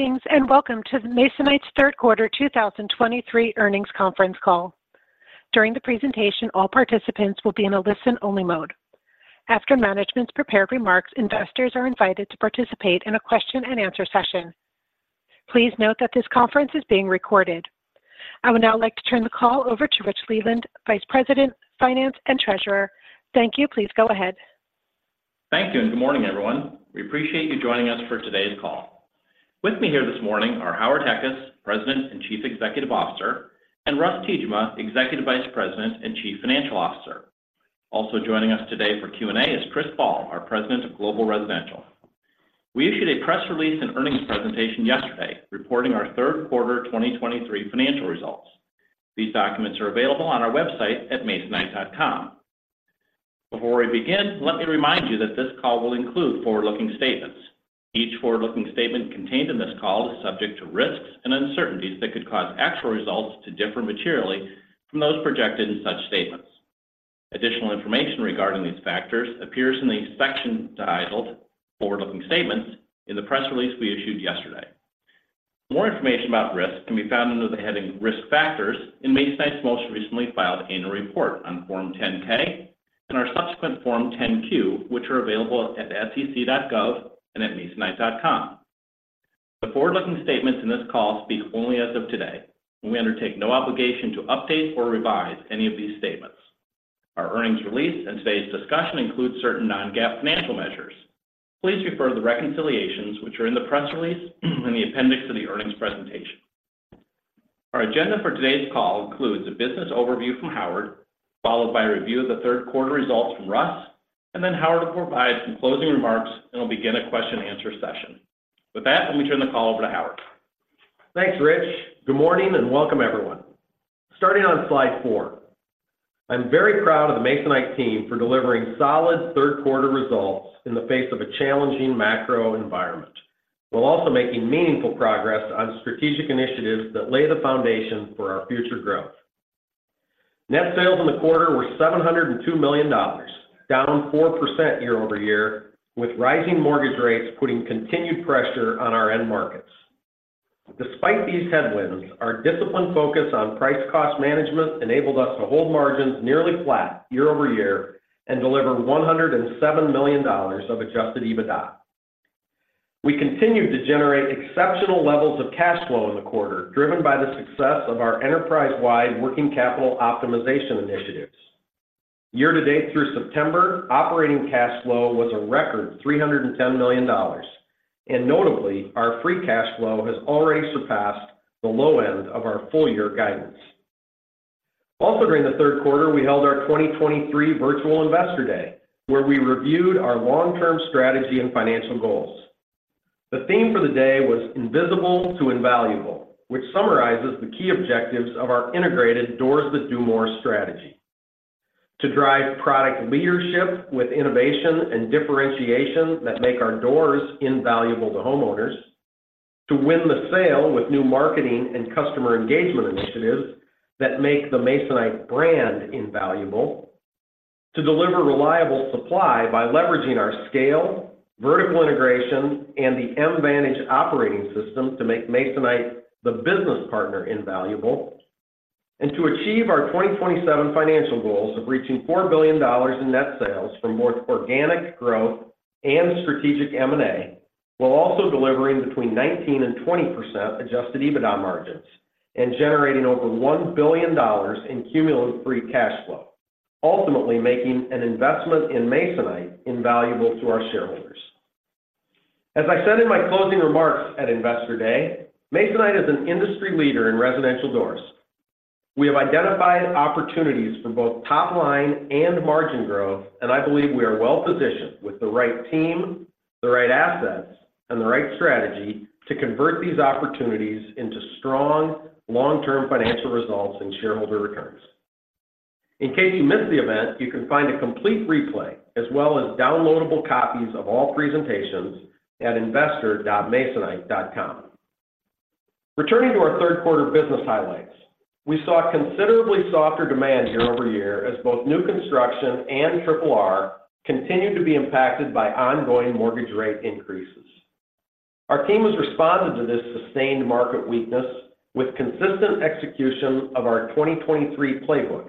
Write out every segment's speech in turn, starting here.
Greetings, and welcome to Masonite's Q3 2023 earnings conference call. During the presentation, all participants will be in a listen-only mode. After management's prepared remarks, investors are invited to participate in a question-and-answer session. Please note that this conference is being recorded. I would now like to turn the call over to Rich Leland, Vice President, Finance, and Treasurer. Thank you. Please go ahead. Thank you, and good morning, everyone. We appreciate you joining us for today's call. With me here this morning are Howard Heckes, President and Chief Executive Officer, and Russ Tiejema, Executive Vice President and Chief Financial Officer. Also joining us today for Q&A is Chris Ball, our President of Global Residential. We issued a press release and earnings presentation yesterday, reporting our Q3 2023 financial results. These documents are available on our website at masonite.com. Before we begin, let me remind you that this call will include forward-looking statements. Each forward-looking statement contained in this call is subject to risks and uncertainties that could cause actual results to differ materially from those projected in such statements. Additional information regarding these factors appears in the section titled "Forward-Looking Statements" in the press release we issued yesterday. More information about risks can be found under the heading "Risk Factors" in Masonite's most recently filed annual report on Form 10-K and our subsequent Form 10-Q, which are available at SEC.gov and at masonite.com. The forward-looking statements in this call speak only as of today, and we undertake no obligation to update or revise any of these statements. Our earnings release and today's discussion includes certain non-GAAP financial measures. Please refer to the reconciliations, which are in the press release and the appendix to the earnings presentation. Our agenda for today's call includes a business overview from Howard, followed by a review of the Q3 results from Russ, and then Howard will provide some closing remarks and will begin a question-and-answer session. With that, let me turn the call over to Howard. Thanks, Rich. Good morning, and welcome, everyone. Starting on slide four, I'm very proud of the Masonite team for delivering solid Q3 results in the face of a challenging macro environment, while also making meaningful progress on strategic initiatives that lay the foundation for our future growth. Net sales in the quarter were $702 million, down 4% year-over-year, with rising mortgage rates putting continued pressure on our end markets. Despite these headwinds, our disciplined focus on price-cost management enabled us to hold margins nearly flat year-over-year and deliver $107 million of adjusted EBITDA. We continued to generate exceptional levels of cash flow in the quarter, driven by the success of our enterprise-wide working capital optimization initiatives. Year-to-date through September, operating cash flow was a record $310 million, and notably, our Free Cash Flow has already surpassed the low end of our full-year guidance. Also, during the Q3, we held our 2023 Virtual Investor Day, where we reviewed our long-term strategy and financial goals. The theme for the day was Invisible to Invaluable, which summarizes the key objectives of our integrated Doors That Do More strategy: to drive product leadership with innovation and differentiation that make our doors invaluable to homeowners, to win the sale with new marketing and customer engagement initiatives that make the Masonite brand invaluable, to deliver reliable supply by leveraging our scale, vertical integration, and the Mvantage operating system to make Masonite the business partner invaluable, and to achieve our 2027 financial goals of reaching $4 billion in net sales from both organic growth and strategic M&A, while also delivering between 19% and 20% adjusted EBITDA margins and generating over $1 billion in cumulative free cash flow, ultimately making an investment in Masonite invaluable to our shareholders. As I said in my closing remarks at Investor Day, Masonite is an industry leader in residential doors. We have identified opportunities for both top-line and margin growth, and I believe we are well-positioned with the right team, the right assets, and the right strategy to convert these opportunities into strong, long-term financial results and shareholder returns. In case you missed the event, you can find a complete replay, as well as downloadable copies of all presentations, at investor.masonite.com. Returning to our Q3 business highlights, we saw considerably softer demand year-over-year as both new construction and triple R continued to be impacted by ongoing mortgage rate increases. Our team has responded to this sustained market weakness with consistent execution of our 2023 playbook.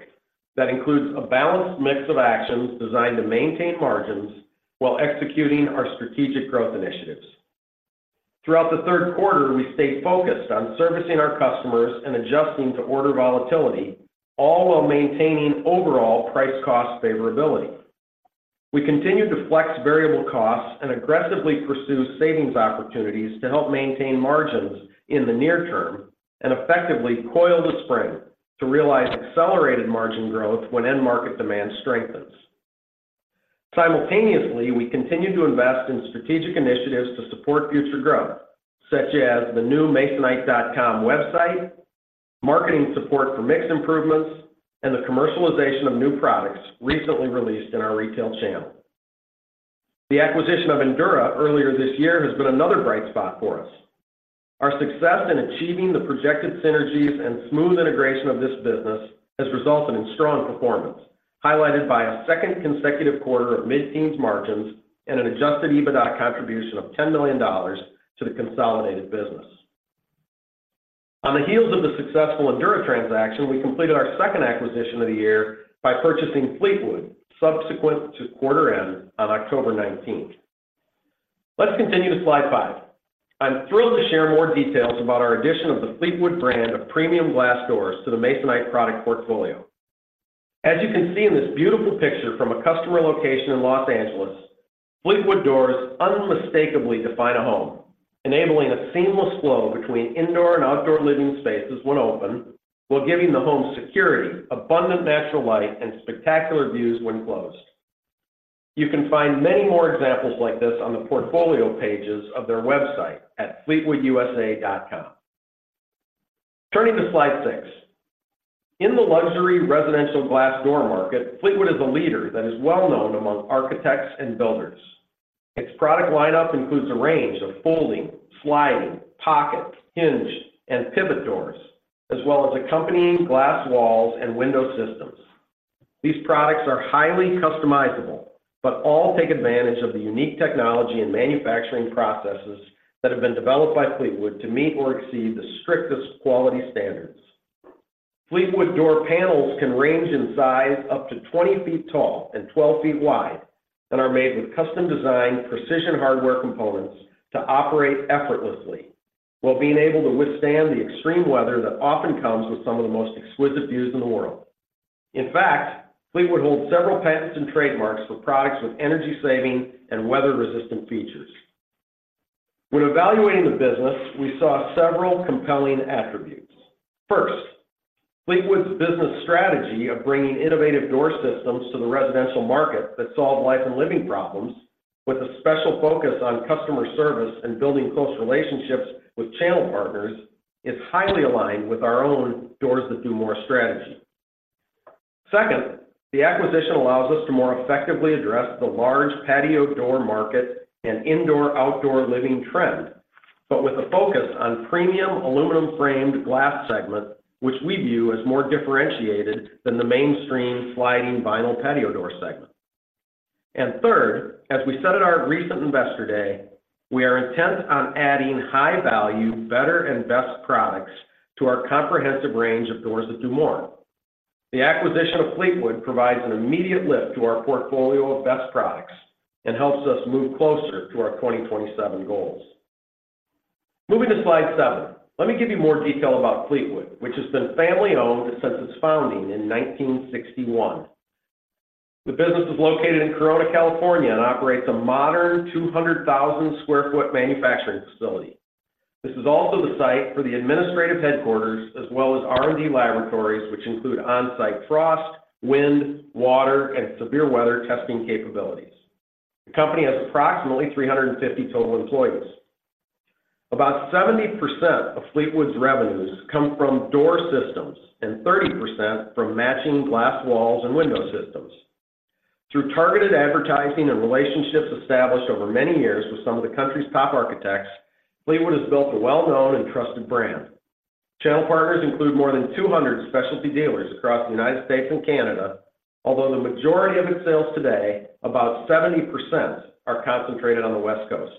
That includes a balanced mix of actions designed to maintain margins while executing our strategic growth initiatives. Throughout the Q3, we stayed focused on servicing our customers and adjusting to order volatility, all while maintaining overall price-cost favorability. We continued to flex variable costs and aggressively pursue savings opportunities to help maintain margins in the near term and effectively coil the spring to realize accelerated margin growth when end-market demand strengthens. Simultaneously, we continued to invest in strategic initiatives to support future growth, such as the new Masonite.com website, marketing support for mix improvements, and the commercialization of new products recently released in our retail channel. The acquisition of Endura earlier this year has been another bright spot for us. Our success in achieving the projected synergies and smooth integration of this business has resulted in strong performance, highlighted by a second consecutive quarter of mid-teens margins and an Adjusted EBITDA contribution of $10 million to the consolidated business. On the heels of the successful Endura transaction, we completed our second acquisition of the year by purchasing Fleetwood, subsequent to quarter end on October 19. Let's continue to slide five. I'm thrilled to share more details about our addition of the Fleetwood brand of premium glass doors to the Masonite product portfolio. As you can see in this beautiful picture from a customer location in Los Angeles, Fleetwood doors unmistakably define a home, enabling a seamless flow between indoor and outdoor living spaces when open, while giving the home security, abundant natural light, and spectacular views when closed. You can find many more examples like this on the portfolio pages of their website at fleetwoodusa.com. Turning to slide six. In the luxury residential glass door market, Fleetwood is a leader that is well known among architects and builders. Its product lineup includes a range of folding, sliding, pocket, hinged, and pivot doors, as well as accompanying glass walls and window systems. These products are highly customizable, but all take advantage of the unique technology and manufacturing processes that have been developed by Fleetwood to meet or exceed the strictest quality standards. Fleetwood door panels can range in size up to 20 feet tall and 12 feet wide and are made with custom-designed precision hardware components to operate effortlessly while being able to withstand the extreme weather that often comes with some of the most exquisite views in the world. In fact, Fleetwood holds several patents and trademarks for products with energy-saving and weather-resistant features. When evaluating the business, we saw several compelling attributes. First, Fleetwood's business strategy of bringing innovative door systems to the residential market that solve life and living problems, with a special focus on customer service and building close relationships with channel partners, is highly aligned with our own Doors That Do More strategy. Second, the acquisition allows us to more effectively address the large patio door market and indoor-outdoor living trend, but with a focus on premium aluminum-framed glass segment, which we view as more differentiated than the mainstream sliding vinyl patio door segment. And third, as we said at our recent Investor Day, we are intent on adding high-value, better, and best products to our comprehensive range of Doors That Do More. The acquisition of Fleetwood provides an immediate lift to our portfolio of best products and helps us move closer to our 2027 goals. Moving to slide seven, let me give you more detail about Fleetwood, which has been family-owned since its founding in 1961. The business is located in Corona, California, and operates a modern 200,000 sq ft manufacturing facility. This is also the site for the administrative headquarters, as well as R&D laboratories, which include on-site frost, wind, water, and severe weather testing capabilities. The company has approximately 350 total employees. About 70% of Fleetwood's revenues come from door systems and 30% from matching glass walls and window systems. Through targeted advertising and relationships established over many years with some of the country's top architects, Fleetwood has built a well-known and trusted brand. Channel partners include more than 200 specialty dealers across the United States and Canada, although the majority of its sales today, about 70%, are concentrated on the West Coast.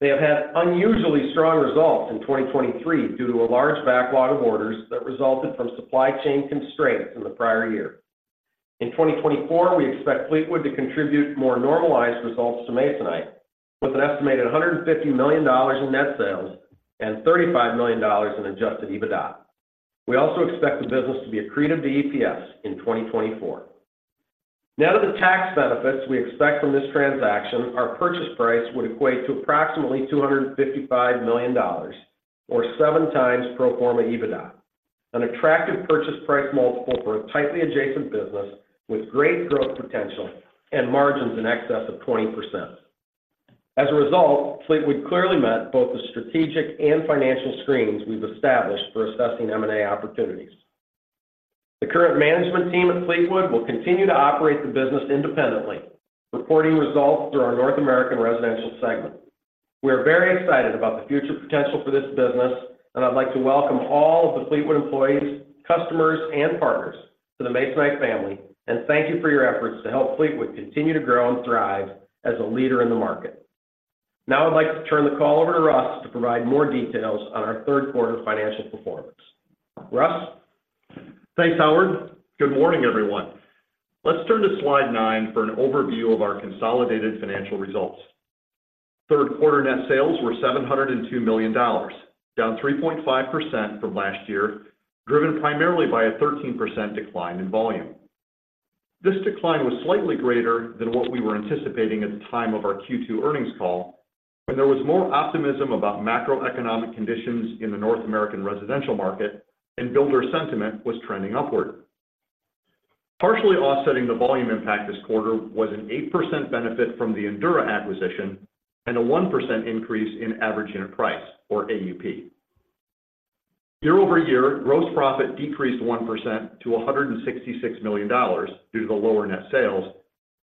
They have had unusually strong results in 2023 due to a large backlog of orders that resulted from supply chain constraints in the prior year. In 2024, we expect Fleetwood to contribute more normalized results to Masonite, with an estimated $150 million in net sales and $35 million in Adjusted EBITDA. We also expect the business to be accretive to EPS in 2024. Net of the tax benefits we expect from this transaction, our purchase price would equate to approximately $255 million, or 7x pro forma EBITDA, an attractive purchase price multiple for a tightly adjacent business with great growth potential and margins in excess of 20%. As a result, Fleetwood clearly met both the strategic and financial screens we've established for assessing M&A opportunities. The current management team at Fleetwood will continue to operate the business independently, reporting results through our North American residential segment. We are very excited about the future potential for this business, and I'd like to welcome all of the Fleetwood employees, customers, and partners to the Masonite family, and thank you for your efforts to help Fleetwood continue to grow and thrive as a leader in the market. Now, I'd like to turn the call over to Russ to provide more details on our Q3 financial performance. Russ? Thanks, Howard. Good morning, everyone. Let's turn to slide nine for an overview of our consolidated financial results. Q3 net sales were $702 million, down 3.5% from last year, driven primarily by a 13% decline in volume. This decline was slightly greater than what we were anticipating at the time of our Q2 earnings call, when there was more optimism about macroeconomic conditions in the North American residential market and builder sentiment was trending upward. Partially offsetting the volume impact this quarter was an 8% benefit from the Endura acquisition and a 1% increase in average unit price, or AUP. Year-over-year, gross profit decreased 1% to $166 million due to the lower net sales.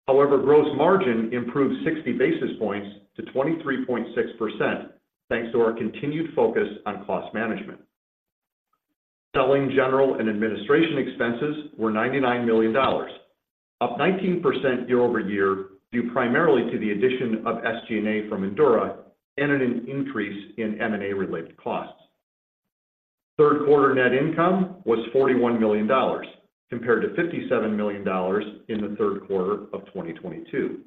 However, gross margin improved 60 basis points to 23.6%, thanks to our continued focus on cost management. Selling, general, and administrative expenses were $99 million, up 19% year-over-year, due primarily to the addition of SG&A from Endura and an increase in M&A-related costs. Q3 net income was $41 million, compared to $57 million in the Q3 of 2022.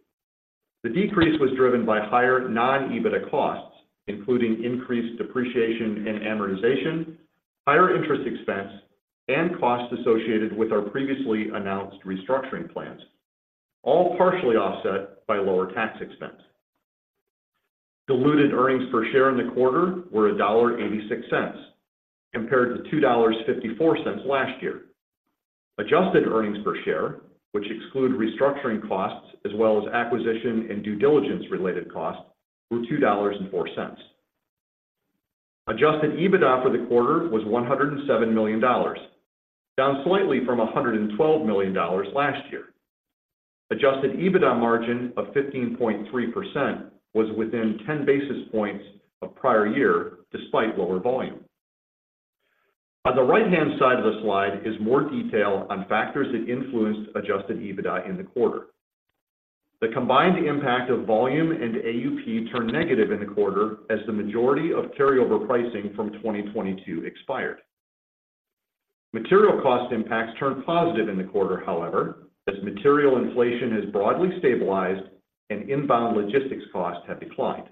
The decrease was driven by higher non-EBITDA costs, including increased depreciation and amortization, higher interest expense, and costs associated with our previously announced restructuring plans, all partially offset by lower tax expense. Diluted earnings per share in the quarter were $1.86, compared to $2.54 last year. Adjusted earnings per share, which exclude restructuring costs as well as acquisition and due diligence-related costs, were $2.04. Adjusted EBITDA for the quarter was $107 million, down slightly from $112 million last year. Adjusted EBITDA margin of 15.3% was within 10 basis points of prior year, despite lower volume. On the right-hand side of the slide is more detail on factors that influenced adjusted EBITDA in the quarter. The combined impact of volume and AUP turned negative in the quarter as the majority of carryover pricing from 2022 expired. Material cost impacts turned positive in the quarter, however, as material inflation has broadly stabilized and inbound logistics costs have declined.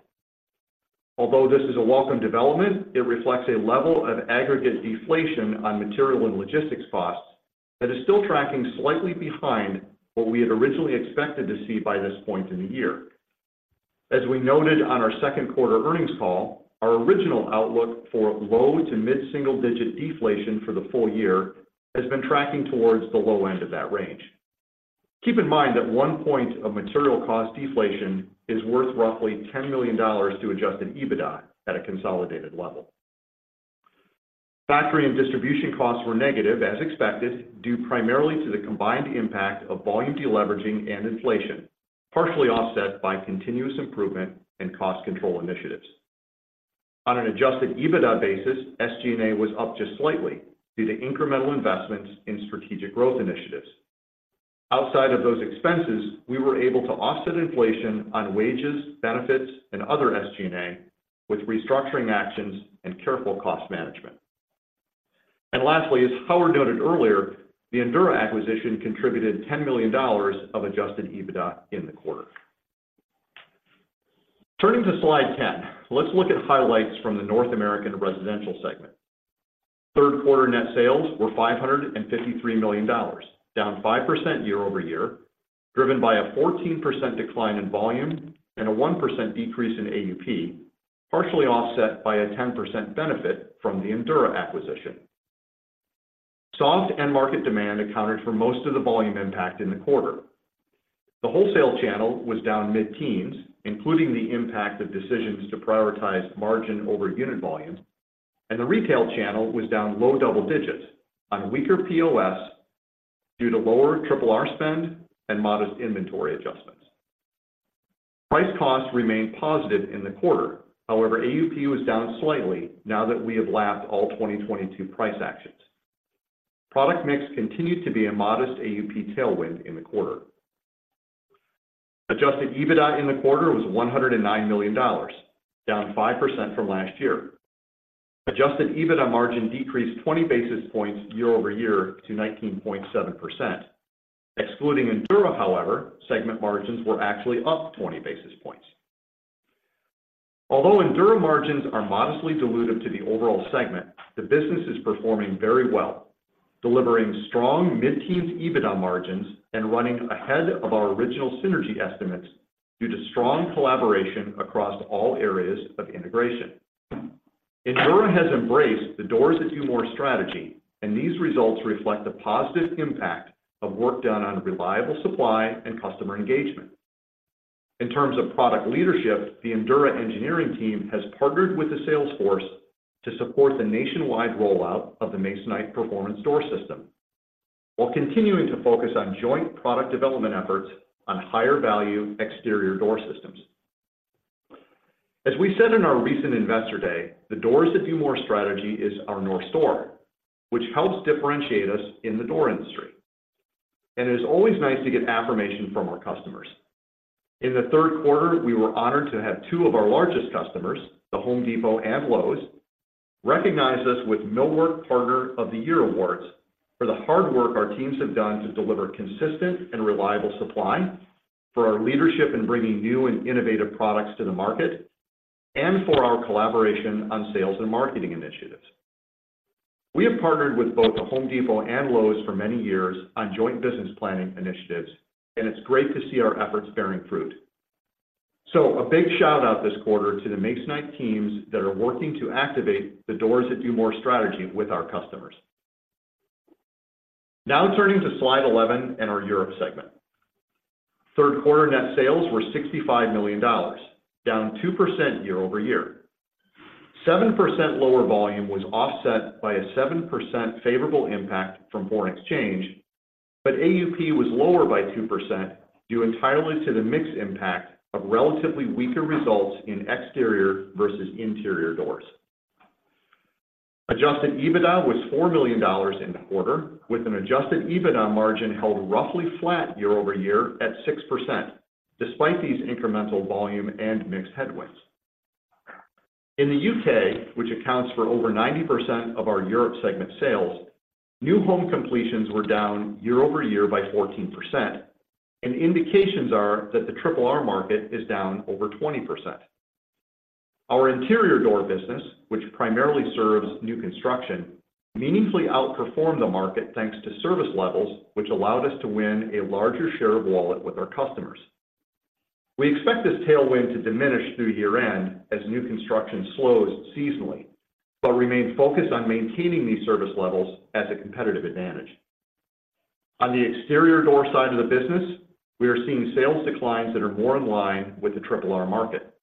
Although this is a welcome development, it reflects a level of aggregate deflation on material and logistics costs that is still tracking slightly behind what we had originally expected to see by this point in the year. As we noted on our Q2 earnings call, our original outlook for low- to mid-single-digit deflation for the full year has been tracking towards the low end of that range. Keep in mind that one point of material cost deflation is worth roughly $10 million to adjusted EBITDA at a consolidated level. Factory and distribution costs were negative, as expected, due primarily to the combined impact of volume deleveraging and inflation, partially offset by continuous improvement and cost control initiatives. On an adjusted EBITDA basis, SG&A was up just slightly due to incremental investments in strategic growth initiatives. Outside of those expenses, we were able to offset inflation on wages, benefits, and other SG&A with restructuring actions and careful cost management. Lastly, as Howard noted earlier, the Endura acquisition contributed $10 million of adjusted EBITDA in the quarter. Turning to slide 10, let's look at highlights from the North American Residential segment. Q3 net sales were $553 million, down 5% year-over-year, driven by a 14% decline in volume and a 1% decrease in AUP, partially offset by a 10% benefit from the Endura acquisition. Soft end market demand accounted for most of the volume impact in the quarter. The wholesale channel was down mid-teens, including the impact of decisions to prioritize margin over unit volume, and the retail channel was down low double digits on weaker POS due to lower triple R spend and modest inventory adjustments. Price costs remained positive in the quarter. However, AUP was down slightly now that we have lapped all 2022 price actions. Product mix continued to be a modest AUP tailwind in the quarter. Adjusted EBITDA in the quarter was $109 million, down 5% from last year. Adjusted EBITDA margin decreased 20 basis points year-over-year to 19.7%. Excluding Endura, however, segment margins were actually up 20 basis points. Although Endura margins are modestly dilutive to the overall segment, the business is performing very well, delivering strong mid-teens EBITDA margins and running ahead of our original synergy estimates due to strong collaboration across all areas of integration. Endura has embraced the Doors That Do More strategy, and these results reflect the positive impact of work done on reliable supply and customer engagement. In terms of product leadership, the Endura engineering team has partnered with the sales force to support the nationwide rollout of the Masonite Performance Door System, while continuing to focus on joint product development efforts on higher-value exterior door systems. As we said in our recent Investor Day, the Doors That Do More strategy is our North Door, which helps differentiate us in the door industry, and it is always nice to get affirmation from our customers. In the Q3, we were honored to have two of our largest customers, The Home Depot and Lowe's, recognize us with Millwork Partner of the Year awards for the hard work our teams have done to deliver consistent and reliable supply, for our leadership in bringing new and innovative products to the market, and for our collaboration on sales and marketing initiatives. We have partnered with both The Home Depot and Lowe's for many years on joint business planning initiatives, and it's great to see our efforts bearing fruit. So a big shout-out this quarter to the Masonite teams that are working to activate the Doors That Do More strategy with our customers. Now turning to slide 11 and our Europe segment. Q3 net sales were $65 million, down 2% year-over-year. 7% lower volume was offset by a 7% favorable impact from foreign exchange, but AUP was lower by 2%, due entirely to the mix impact of relatively weaker results in exterior versus interior doors. Adjusted EBITDA was $4 billion in the quarter, with an adjusted EBITDA margin held roughly flat year-over-year at 6%, despite these incremental volume and mix headwinds. In the U.K., which accounts for over 90% of our Europe segment sales, new home completions were down year-over-year by 14%, and indications are that the triple R market is down over 20%. Our interior door business, which primarily serves new construction, meaningfully outperformed the market, thanks to service levels, which allowed us to win a larger share of wallet with our customers. We expect this tailwind to diminish through year-end as new construction slows seasonally, but remains focused on maintaining these service levels as a competitive advantage. On the exterior door side of the business, we are seeing sales declines that are more in line with the triple R market.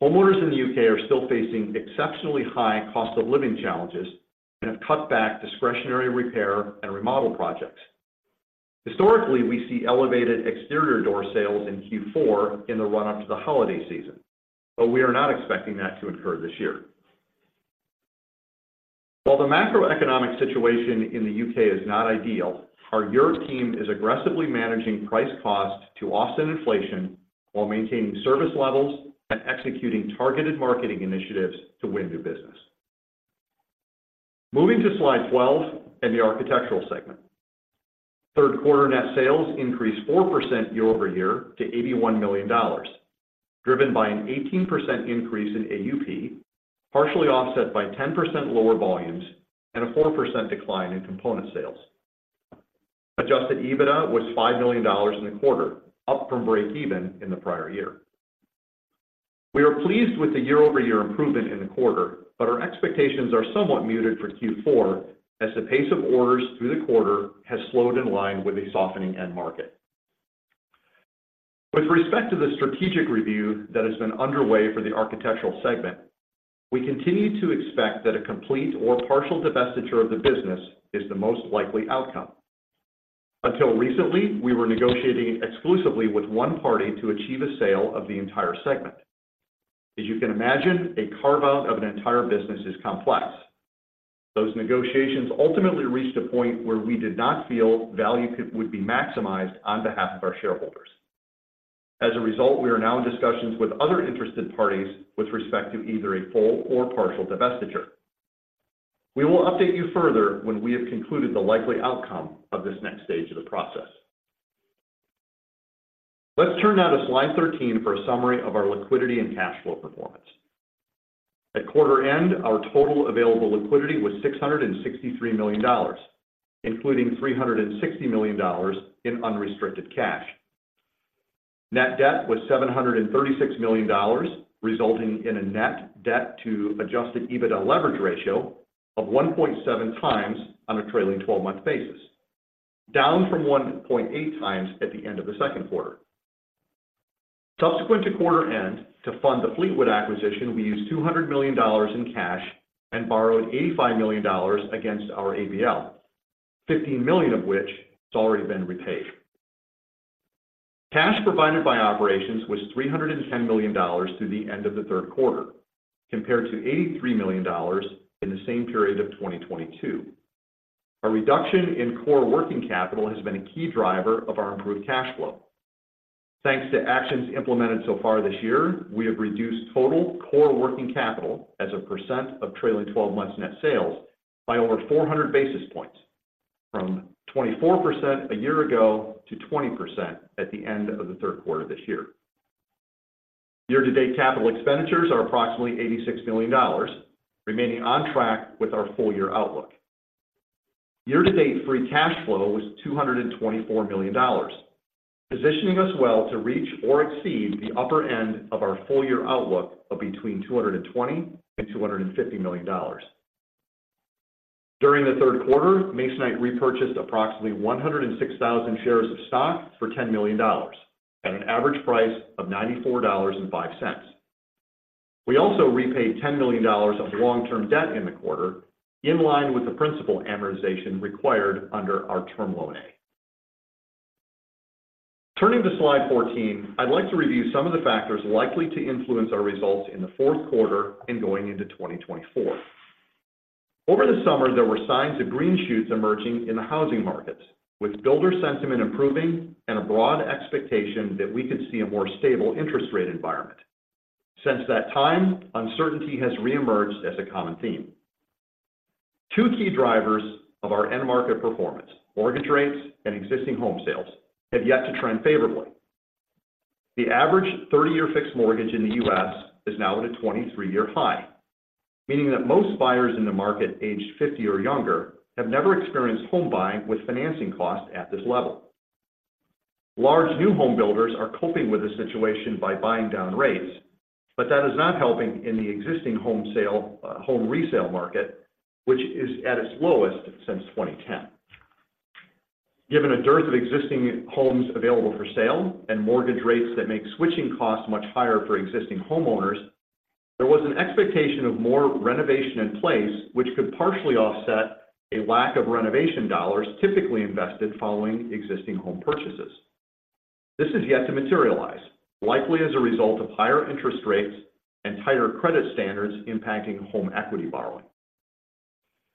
Homeowners in the U.K. are still facing exceptionally high cost of living challenges and have cut back discretionary repair and remodel projects. Historically, we see elevated exterior door sales in Q4 in the run-up to the holiday season, but we are not expecting that to occur this year. While the macroeconomic situation in the U.K. is not ideal, our Europe team is aggressively managing price cost to offset inflation while maintaining service levels and executing targeted marketing initiatives to win new business. Moving to Slide 12 in the architectural segment. Q3 net sales increased 4% year-over-year to $81 million, driven by an 18% increase in AUP, partially offset by 10% lower volumes and a 4% decline in component sales. Adjusted EBITDA was $5 million in the quarter, up from breakeven in the prior year. We are pleased with the year-over-year improvement in the quarter, but our expectations are somewhat muted for Q4, as the pace of orders through the quarter has slowed in line with a softening end market. With respect to the strategic review that has been underway for the architectural segment, we continue to expect that a complete or partial divestiture of the business is the most likely outcome. Until recently, we were negotiating exclusively with one party to achieve a sale of the entire segment. As you can imagine, a carve-out of an entire business is complex. Those negotiations ultimately reached a point where we did not feel value would be maximized on behalf of our shareholders. As a result, we are now in discussions with other interested parties with respect to either a full or partial divestiture. We will update you further when we have concluded the likely outcome of this next stage of the process. Let's turn now to slide 13 for a summary of our liquidity and cash flow performance. At quarter end, our total available liquidity was $663 million, including $360 million in unrestricted cash. Net debt was $736 million, resulting in a net debt to adjusted EBITDA leverage ratio of 1.7 times on a trailing 12-month basis, down from 1.8 times at the end of the Q2. Subsequent to quarter end, to fund the Fleetwood acquisition, we used $200 million in cash and borrowed $85 million against our ABL, $15 million of which has already been repaid. Cash provided by operations was $310 million through the end of the Q3, compared to $83 million in the same period of 2022. A reduction in core working capital has been a key driver of our improved cash flow. Thanks to actions implemented so far this year, we have reduced total core working capital as a percent of trailing 12 months net sales by over 400 basis points, from 24% a year ago to 20% at the end of the Q3 this year. Year-to-date capital expenditures are approximately $86 million, remaining on track with our full-year outlook. Year-to-date free cash flow was $224 million, positioning us well to reach or exceed the upper end of our full-year outlook of between $220 million and $250 million. During the Q3, Masonite repurchased approximately 106,000 shares of stock for $10 million at an average price of $94.05. We also repaid $10 million of long-term debt in the quarter, in line with the principal amortization required under our Term Loan A. Turning to Slide 14, I'd like to review some of the factors likely to influence our results in the Q4 and going into 2024. Over the summer, there were signs of green shoots emerging in the housing markets, with builder sentiment improving and a broad expectation that we could see a more stable interest rate environment. Since that time, uncertainty has reemerged as a common theme. Two key drivers of our end market performance, mortgage rates and existing home sales, have yet to trend favorably. The average 30-year fixed mortgage in the U.S. is now at a 23-year high, meaning that most buyers in the market aged 50 or younger have never experienced home buying with financing costs at this level. Large new home builders are coping with this situation by buying down rates, but that is not helping in the existing home sale, home resale market, which is at its lowest since 2010. Given a dearth of existing homes available for sale and mortgage rates that make switching costs much higher for existing homeowners, there was an expectation of more renovation in place, which could partially offset a lack of renovation dollars typically invested following existing home purchases. This is yet to materialize, likely as a result of higher interest rates and tighter credit standards impacting home equity borrowing.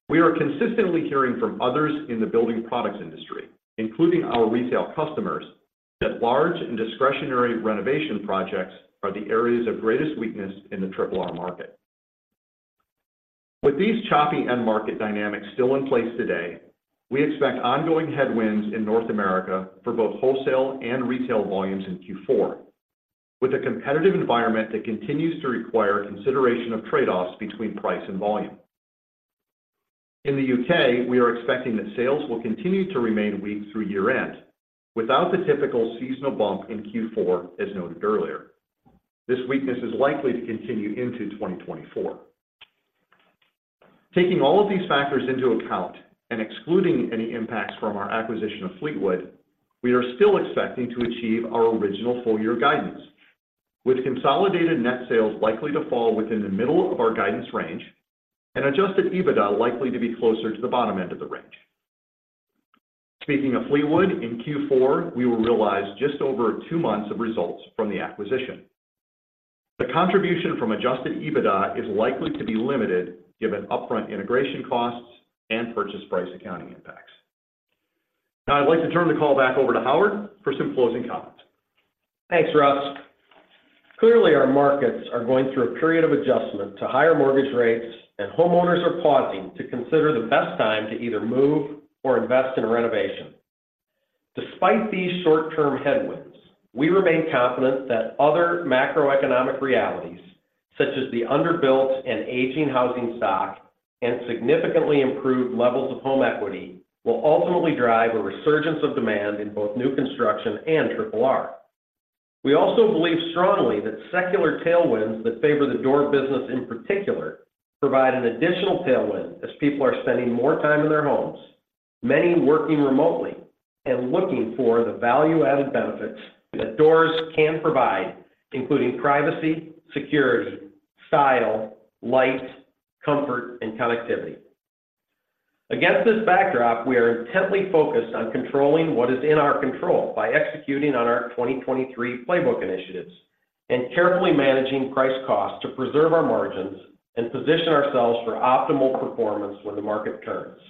We are consistently hearing from others in the building products industry, including our retail customers, that large and discretionary renovation projects are the areas of greatest weakness in the triple R market. With these choppy end market dynamics still in place today, we expect ongoing headwinds in North America for both wholesale and retail volumes in Q4, with a competitive environment that continues to require consideration of trade-offs between price and volume. In the U.K., we are expecting that sales will continue to remain weak through year-end, without the typical seasonal bump in Q4, as noted earlier. This weakness is likely to continue into 2024. Taking all of these factors into account and excluding any impacts from our acquisition of Fleetwood, we are still expecting to achieve our original full-year guidance, with consolidated net sales likely to fall within the middle of our guidance range and Adjusted EBITDA likely to be closer to the bottom end of the range. Speaking of Fleetwood, in Q4, we will realize just over two months of results from the acquisition. The contribution from Adjusted EBITDA is likely to be limited, given upfront integration costs and purchase price accounting impacts. Now, I'd like to turn the call back over to Howard for some closing comments. Thanks, Russ. Clearly, our markets are going through a period of adjustment to higher mortgage rates, and homeowners are pausing to consider the best time to either move or invest in a renovation. Despite these short-term headwinds, we remain confident that other macroeconomic realities, such as the underbuilt and aging housing stock and significantly improved levels of home equity, will ultimately drive a resurgence of demand in both new construction and triple R. We also believe strongly that secular tailwinds that favor the door business, in particular, provide an additional tailwind as people are spending more time in their homes, many working remotely and looking for the value-added benefits that doors can provide, including privacy, security, style, light, comfort, and connectivity. Against this backdrop, we are intently focused on controlling what is in our control by executing on our 2023 playbook initiatives and carefully managing price costs to preserve our margins and position ourselves for optimal performance when the market turns.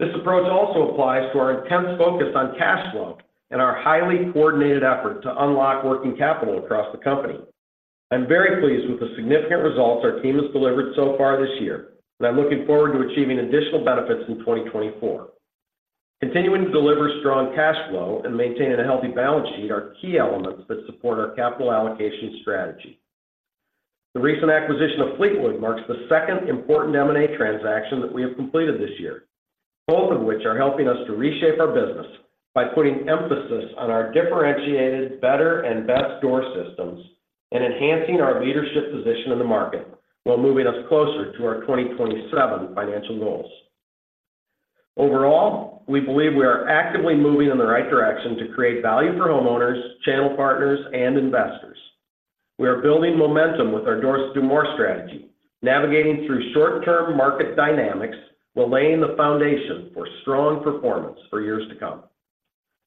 This approach also applies to our intense focus on cash flow and our highly coordinated effort to unlock working capital across the company. I'm very pleased with the significant results our team has delivered so far this year, and I'm looking forward to achieving additional benefits in 2024. Continuing to deliver strong cash flow and maintaining a healthy balance sheet are key elements that support our capital allocation strategy. The recent acquisition of Fleetwood marks the second important M&A transaction that we have completed this year, both of which are helping us to reshape our business by putting emphasis on our differentiated better and best door systems and enhancing our leadership position in the market while moving us closer to our 2027 financial goals. Overall, we believe we are actively moving in the right direction to create value for homeowners, channel partners, and investors. We are building momentum with our Doors to More strategy, navigating through short-term market dynamics, while laying the foundation for strong performance for years to come.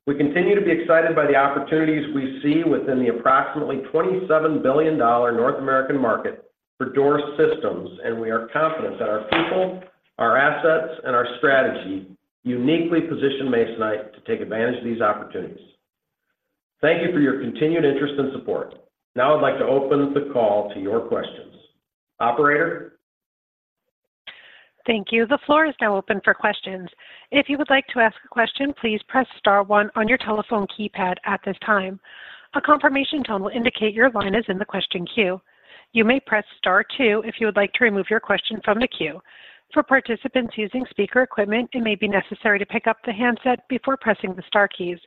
We continue to be excited by the opportunities we see within the approximately $27 billion North American market for door systems, and we are confident that our people, our assets, and our strategy uniquely position Masonite to take advantage of these opportunities. Thank you for your continued interest and support. Now, I'd like to open the call to your questions. Operator? Thank you. The floor is now open for questions. If you would like to ask a question, please press star one on your telephone keypad at this time. A confirmation tone will indicate your line is in the question queue. You may press star two if you would like to remove your question from the queue. For participants using speaker equipment, it may be necessary to pick up the handset before pressing the star keys.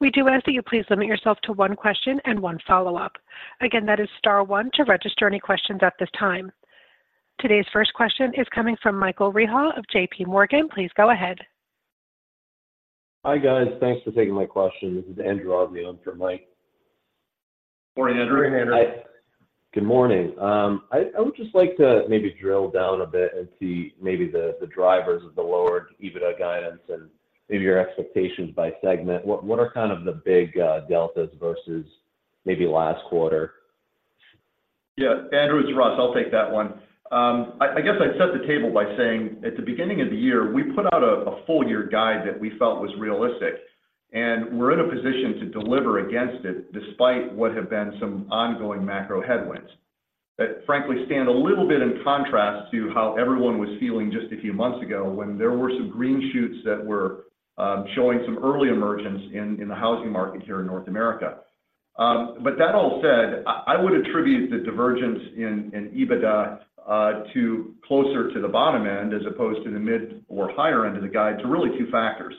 We do ask that you please limit yourself to one question and one follow-up. Again, that is star one to register any questions at this time. Today's first question is coming from Michael Rehaut of J.P. Morgan. Please go ahead. Hi, guys. Thanks for taking my question. This is Andrew Azzi in for Mike. Morning, Andrew. Morning, Andrew. Good morning. I would just like to maybe drill down a bit and see maybe the drivers of the lower EBITDA guidance and maybe your expectations by segment. What are kind of the big deltas versus maybe last quarter? Yeah. Andrew, it's Russ. I'll take that one. I guess I'd set the table by saying, at the beginning of the year, we put out a full-year guide that we felt was realistic, and we're in a position to deliver against it, despite what have been some ongoing macro headwinds. That frankly stand a little bit in contrast to how everyone was feeling just a few months ago, when there were some green shoots that were showing some early emergence in the housing market here in North America. But that all said, I would attribute the divergence in EBITDA to closer to the bottom end, as opposed to the mid or higher end of the guide, to really two factors.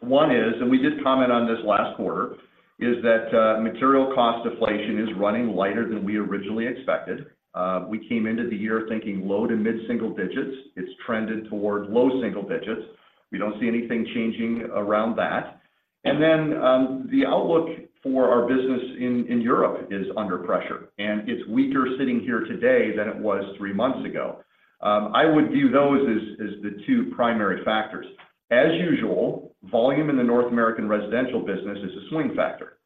One is, and we did comment on this last quarter-... Is that material cost deflation is running lighter than we originally expected. We came into the year thinking low- to mid-single digits. It's trended towards low single digits. We don't see anything changing around that. And then, the outlook for our business in Europe is under pressure, and it's weaker sitting here today than it was three months ago. I would view those as the two primary factors. As usual, volume in the North American residential business is a swing factor.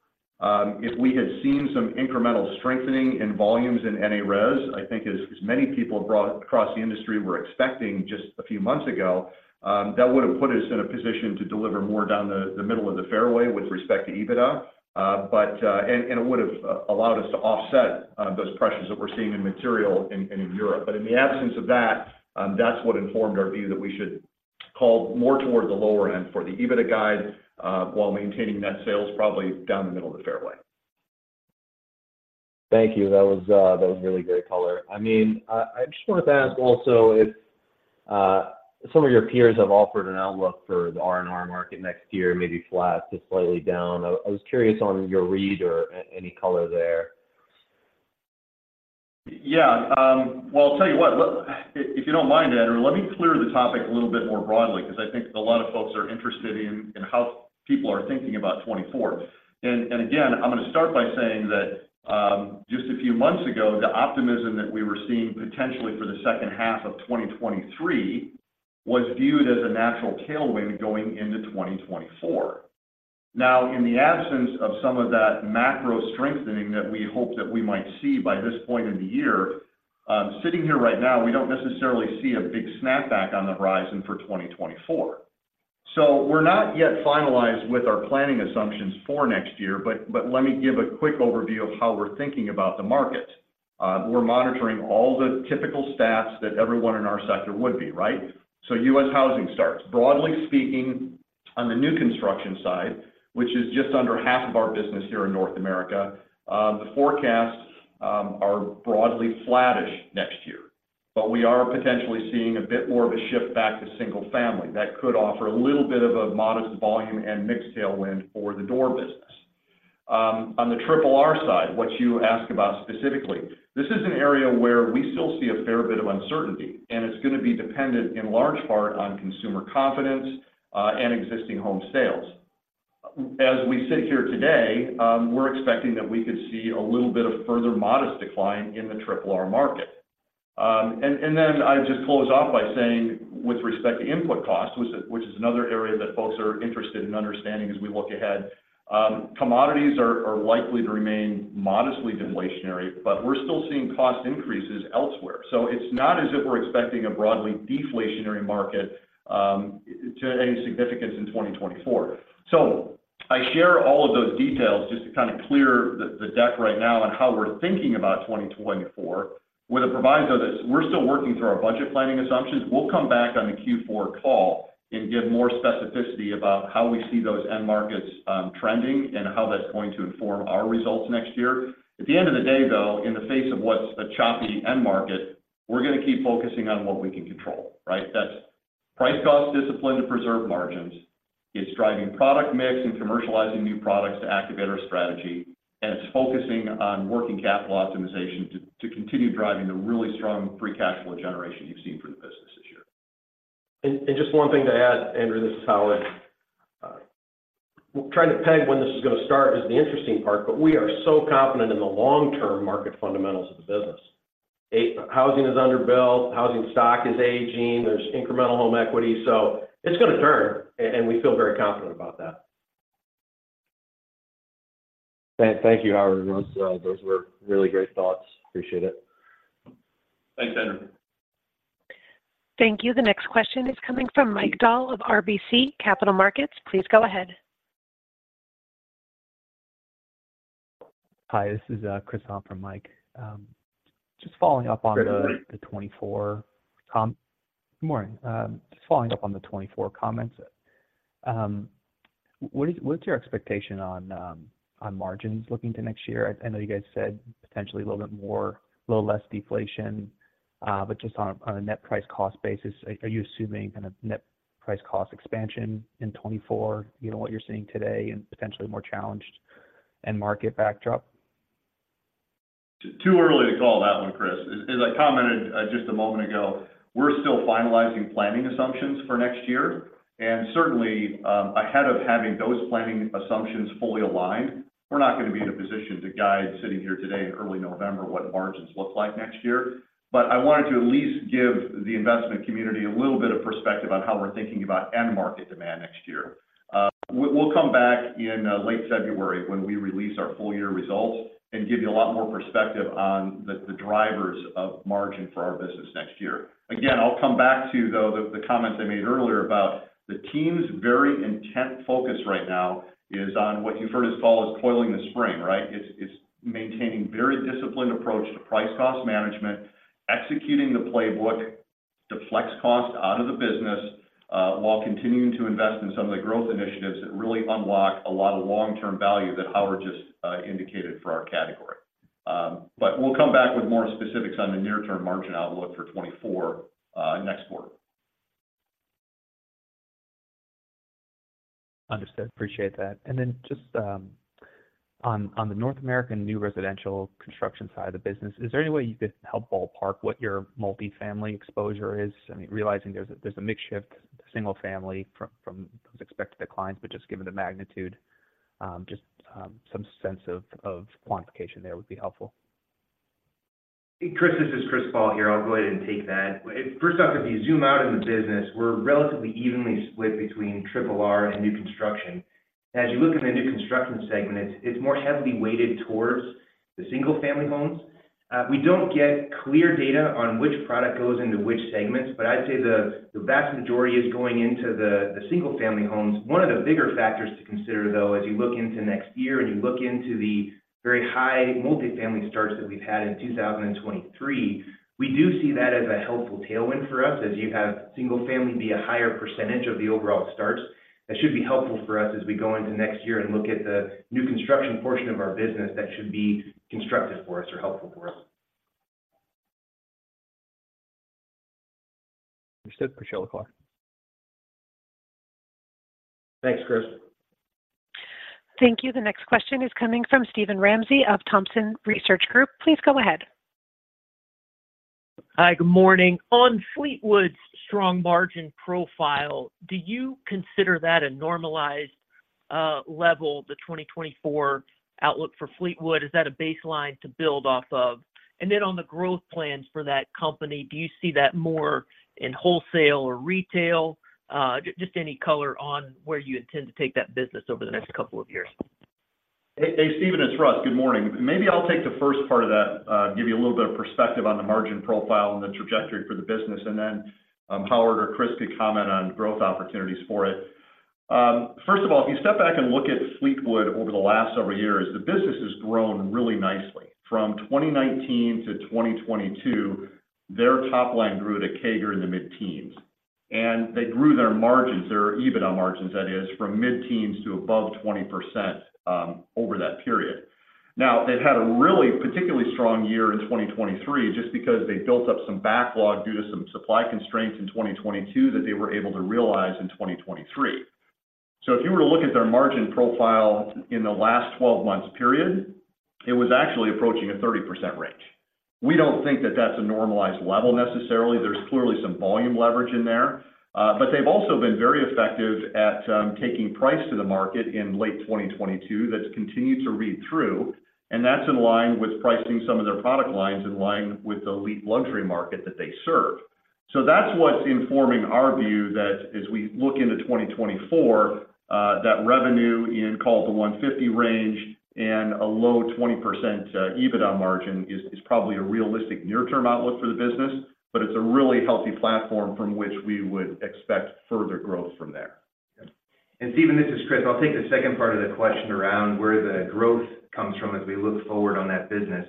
If we had seen some incremental strengthening in volumes in NA Res, I think as many people across the industry were expecting just a few months ago, that would have put us in a position to deliver more down the middle of the fairway with respect to EBITDA. But... And it would have allowed us to offset those pressures that we're seeing in material and in Europe. But in the absence of that, that's what informed our view, that we should call more towards the lower end for the EBITDA guide, while maintaining net sales probably down the middle of the fairway. Thank you. That was, that was really great color. I mean, I just wanted to ask also if some of your peers have offered an outlook for the R&R market next year, maybe flat to slightly down. I was curious on your read or any color there. Yeah. Well, I'll tell you what, well, if you don't mind, Andrew, let me clear the topic a little bit more broadly, 'cause I think a lot of folks are interested in how people are thinking about 2024. And again, I'm gonna start by saying that, just a few months ago, the optimism that we were seeing potentially for the second half of 2023 was viewed as a natural tailwind going into 2024. Now, in the absence of some of that macro strengthening that we hope that we might see by this point in the year, sitting here right now, we don't necessarily see a big snapback on the horizon for 2024. So we're not yet finalized with our planning assumptions for next year, but let me give a quick overview of how we're thinking about the market. We're monitoring all the typical stats that everyone in our sector would be, right? So U.S. housing starts. Broadly speaking, on the new construction side, which is just under half of our business here in North America, the forecasts are broadly flattish next year, but we are potentially seeing a bit more of a shift back to single family. That could offer a little bit of a modest volume and mix tailwind for the door business. On the triple R side, what you asked about specifically, this is an area where we still see a fair bit of uncertainty, and it's gonna be dependent in large part on consumer confidence and existing home sales. As we sit here today, we're expecting that we could see a little bit of further modest decline in the triple R market. And then I'd just close off by saying, with respect to input cost, which is another area that folks are interested in understanding as we look ahead, commodities are likely to remain modestly deflationary, but we're still seeing cost increases elsewhere. So it's not as if we're expecting a broadly deflationary market to any significance in 2024. So I share all of those details just to kind of clear the deck right now on how we're thinking about 2024, with a proviso that we're still working through our budget planning assumptions. We'll come back on the Q4 call and give more specificity about how we see those end markets trending and how that's going to inform our results next year. At the end of the day, though, in the face of what's a choppy end market, we're gonna keep focusing on what we can control, right? That's price cost discipline to preserve margins. It's driving product mix and commercializing new products to activate our strategy, and it's focusing on working capital optimization to continue driving the really strong Free Cash Flow generation you've seen for the business this year. Just one thing to add, Andrew. This is Howard. Trying to peg when this is gonna start is the interesting part, but we are so confident in the long-term market fundamentals of the business. Housing is underbuilt, housing stock is aging, there's incremental home equity, so it's gonna turn, and we feel very confident about that. Thank you, Howard. Those were really great thoughts. Appreciate it. Thanks, Andrew. Thank you. The next question is coming from Mike Dahl of RBC Capital Markets. Please go ahead. Hi, this is Kris on for Mike. Just following up on the- Good morning. The 2024 com-- Good morning. Just following up on the 2024 comments, what's your expectation on margins looking to next year? I know you guys said potentially a little bit more, a little less deflation, but just on a net price cost basis, are you assuming kind of net price cost expansion in 2024, given what you're seeing today and potentially more challenged end market backdrop? Too early to call that one, Kris. As I commented just a moment ago, we're still finalizing planning assumptions for next year, and certainly, ahead of having those planning assumptions fully aligned, we're not going to be in a position to guide, sitting here today in early November, what margins look like next year. But I wanted to at least give the investment community a little bit of perspective on how we're thinking about end market demand next year. We'll come back in late February when we release our full year results and give you a lot more perspective on the drivers of margin for our business next year. Again, I'll come back to, though, the comments I made earlier about the team's very intent focus right now is on what you've heard us call as coiling the spring, right? It's maintaining very disciplined approach to price cost management, executing the playbook to flex cost out of the business, while continuing to invest in some of the growth initiatives that really unlock a lot of long-term value that Howard just indicated for our category. But we'll come back with more specifics on the near-term margin outlook for 2024, next quarter. Understood. Appreciate that. And then just on the North American new residential construction side of the business, is there any way you could help ballpark what your multifamily exposure is? I mean, realizing there's a mix shift to single family from those expected declines, but just given the magnitude, some sense of quantification there would be helpful. Kris, this is Chris Ball here. I'll go ahead and take that. First off, if you zoom out in the business, we're relatively evenly split between triple R and new construction. As you look in the new construction segment, it's more heavily weighted towards the single-family homes. We don't get clear data on which product goes into which segments, but I'd say the vast majority is going into the single-family homes. One of the bigger factors to consider, though, as you look into next year and you look into the very high multifamily starts that we've had in 2023, we do see that as a helpful tailwind for us. As you have single family be a higher percentage of the overall starts, that should be helpful for us as we go into next year and look at the new construction portion of our business. That should be constructive for us or helpful for us. Understood. Appreciate the call. Thanks, Kris. Thank you. The next question is coming from Steven Ramsey of Thompson Research Group. Please go ahead. Hi, good morning. On Fleetwood's strong margin profile, do you consider that a normalized level, the 2024 outlook for Fleetwood? Is that a baseline to build off of? And then on the growth plans for that company, do you see that more in wholesale or retail? Just any color on where you intend to take that business over the next couple of years. Hey, hey, Steven, it's Russ. Good morning. Maybe I'll take the first part of that, give you a little bit of perspective on the margin profile and the trajectory for the business, and then, Howard or Chris could comment on growth opportunities for it. First of all, if you step back and look at Fleetwood over the last several years, the business has grown really nicely. From 2019 - 2022, their top line grew at a CAGR in the mid-teens, and they grew their margins, their EBITDA margins, that is, from mid-teens to above 20%, over that period. Now, they've had a really particularly strong year in 2023, just because they built up some backlog due to some supply constraints in 2022 that they were able to realize in 2023. So if you were to look at their margin profile in the last 12 months period, it was actually approaching a 30% range. We don't think that that's a normalized level necessarily. There's clearly some volume leverage in there, but they've also been very effective at taking price to the market in late 2022. That's continued to read through, and that's in line with pricing some of their product lines in line with the elite luxury market that they serve. So that's what's informing our view that as we look into 2024, that revenue in call the $150 range and a low 20% EBITDA margin is, is probably a realistic near-term outlook for the business, but it's a really healthy platform from which we would expect further growth from there. Steven, this is Chris. I'll take the second part of the question around where the growth comes from as we look forward on that business.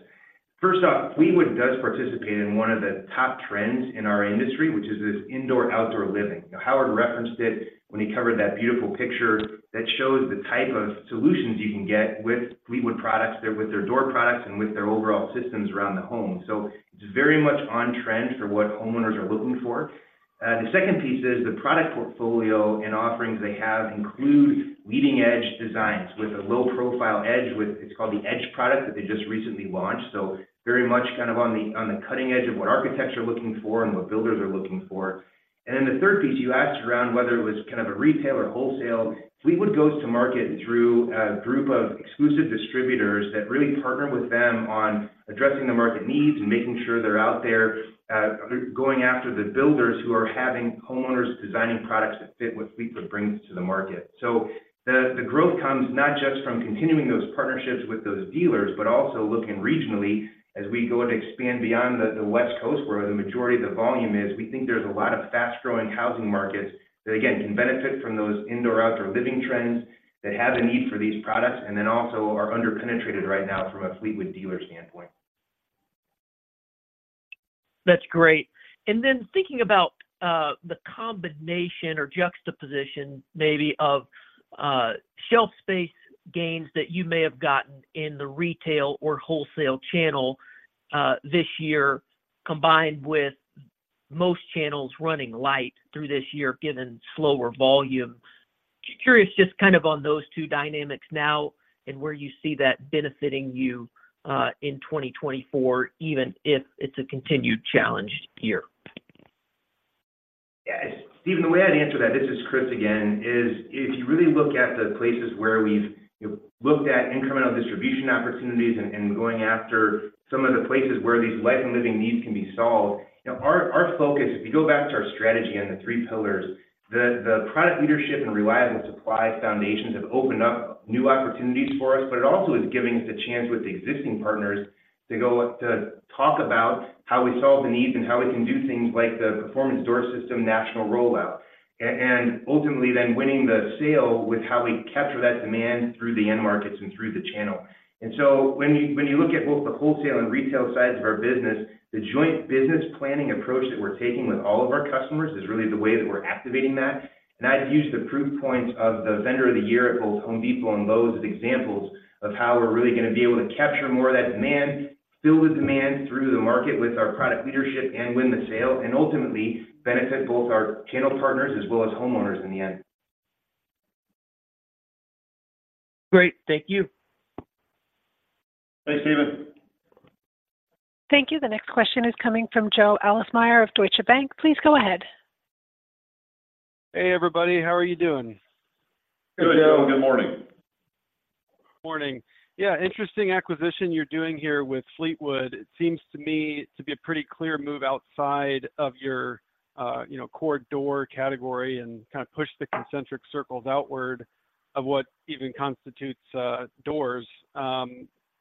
First off, Fleetwood does participate in one of the top trends in our industry, which is this indoor-outdoor living. Now, Howard referenced it when he covered that beautiful picture that shows the type of solutions you can get with Fleetwood products, with their door products, and with their overall systems around the home. So it's very much on trend for what homeowners are looking for. The second piece is the product portfolio and offerings they have include leading-edge designs with a low-profile Edge with... It's called the Edge product that they just recently launched. So very much kind of on the, on the cutting edge of what architects are looking for and what builders are looking for. And then the third piece, you asked around whether it was kind of a retail or wholesale. Fleetwood goes to market through a group of exclusive distributors that really partner with them on addressing the market needs and making sure they're out there, going after the builders who are having homeowners designing products that fit what Fleetwood brings to the market. So the growth comes not just from continuing those partnerships with those dealers, but also looking regionally as we go to expand beyond the West Coast, where the majority of the volume is. We think there's a lot of fast-growing housing markets that, again, can benefit from those indoor-outdoor living trends, that have a need for these products, and then also are underpenetrated right now from a Fleetwood dealer standpoint. That's great. Then thinking about the combination or juxtaposition maybe of shelf space gains that you may have gotten in the retail or wholesale channel this year, combined with most channels running light through this year, given slower volume. Curious, just kind of on those two dynamics now and where you see that benefiting you in 2024, even if it's a continued challenged year. Yeah. Steven, the way I'd answer that, this is Chris again, is if you really look at the places where we've looked at incremental distribution opportunities and, and going after some of the places where these life and living needs can be solved, you know, our, our focus, if you go back to our strategy and the three pillars, the, the product leadership and reliable supply foundations have opened up new opportunities for us, but it also is giving us a chance with the existing partners to go, to talk about how we solve the needs and how we can do things like the Performance Door System national rollout, and ultimately then winning the sale with how we capture that demand through the end markets and through the channel. And so when you, when you look at both the wholesale and retail sides of our business, the joint business planning approach that we're taking with all of our customers is really the way that we're activating that. And I'd use the proof points of the Vendor of the Year at both Home Depot and Lowe's as examples of how we're really gonna be able to capture more of that demand, fill the demand through the market with our product leadership, and win the sale, and ultimately benefit both our channel partners as well as homeowners in the end. Great. Thank you. Thanks, Steven. Thank you. The next question is coming from Joe Ahlersmeyer of Deutsche Bank. Please go ahead. Hey, everybody. How are you doing? Good, Joe. Good morning. Morning. Yeah, interesting acquisition you're doing here with Fleetwood. It seems to me to be a pretty clear move outside of your, you know, core door category and kind of push the concentric circles outward of what even constitutes, doors.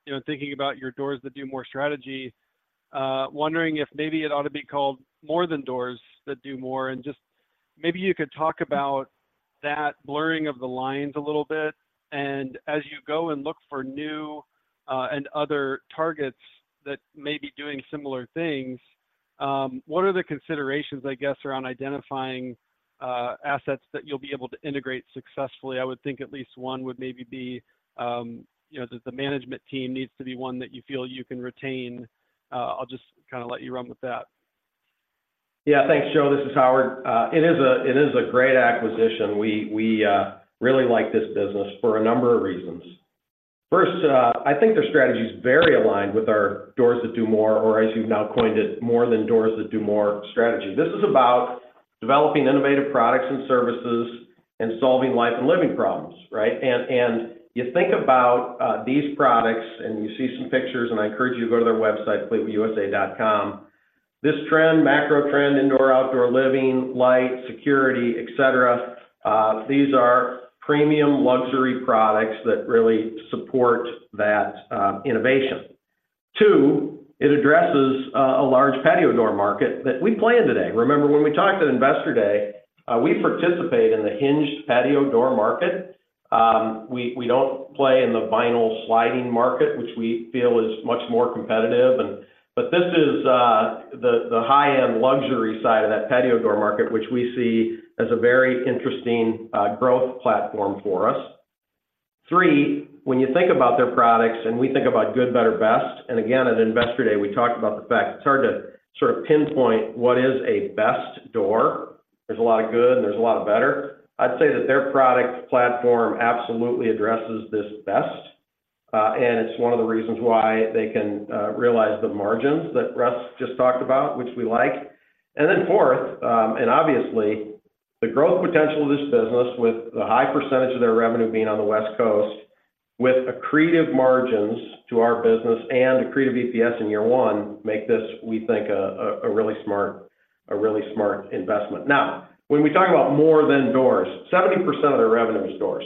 You know, thinking about your Doors That Do More strategy, wondering if maybe it ought to be called more than Doors That Do More, and just maybe you could talk about that blurring of the lines a little bit. And as you go and look for new, and other targets that may be doing similar things, what are the considerations, I guess, around identifying, assets that you'll be able to integrate successfully? I would think at least one would maybe be, you know, that the management team needs to be one that you feel you can retain. I'll just kind of let you run with that. Yeah. Thanks, Joe. This is Howard. It is a great acquisition. We really like this business for a number of reasons. First, I think their strategy is very aligned with our Doors That Do More, or as you've now coined it, more than Doors That Do More strategy. This is about developing innovative products and services and solving life and living problems, right? And you think about these products, and you see some pictures, and I encourage you to go to their website, fleetwoodusa.com. This trend, macro trend, indoor, outdoor living, light, security, et cetera, these are premium luxury products that really support that innovation. Two, it addresses a large patio door market that we play in today. Remember when we talked at Investor Day, we participate in the hinged patio door market. We don't play in the vinyl sliding market, which we feel is much more competitive. But this is the high-end luxury side of that patio door market, which we see as a very interesting growth platform for us. Three, when you think about their products, and we think about good, better, best, and again, at Investor Day, we talked about the fact it's hard to sort of pinpoint what is a best door. There's a lot of good, and there's a lot of better. I'd say that their product platform absolutely addresses this best, and it's one of the reasons why they can realize the margins that Russ just talked about, which we like. And then fourth, and obviously, the growth potential of this business with the high percentage of their revenue being on the West Coast, with accretive margins to our business and accretive EPS in year one, make this, we think, a really smart, a really smart investment. Now, when we talk about more than doors, 70% of their revenue is doors,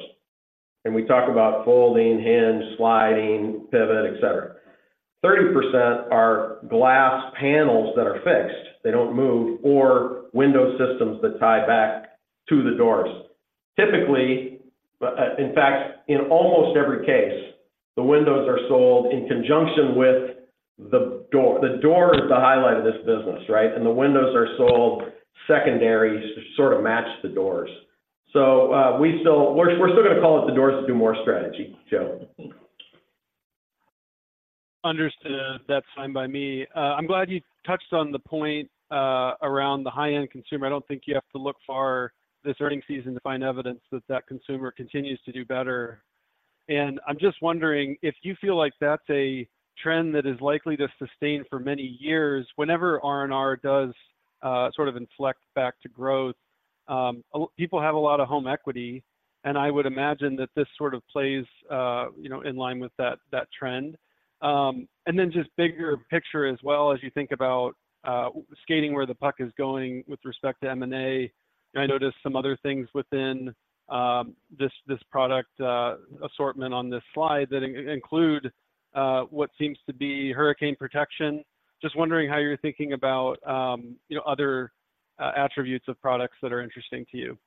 and we talk about folding, hinge, sliding, pivot, et cetera. 30% are glass panels that are fixed, they don't move, or window systems that tie back to the doors. Typically, in fact, in almost every case, the windows are sold in conjunction with the door. The door is the highlight of this business, right? And the windows are sold secondary to sort of match the doors. So, we still—we're, we're still gonna call it the Doors That Do More strategy, Joe. Understood. That's fine by me. I'm glad you touched on the point around the high-end consumer. I don't think you have to look far this earnings season to find evidence that that consumer continues to do better. And I'm just wondering if you feel like that's a trend that is likely to sustain for many years. Whenever R&R does sort of inflect back to growth, people have a lot of home equity, and I would imagine that this sort of plays, you know, in line with that, that trend. And then just bigger picture as well, as you think about skating where the puck is going with respect to M&A, and I noticed some other things within this, this product assortment on this slide that include what seems to be hurricane protection. Just wondering how you're thinking about, you know, other attributes of products that are interesting to you.